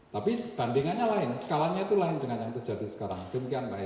tapi bandingannya lain skalanya itu lain dengan yang terjadi sekarang demikian mbak eva